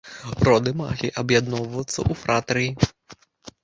Роды маглі аб'ядноўвацца ў фратрыі.